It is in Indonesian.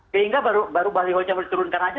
sehingga baru balihonya diturunkan aja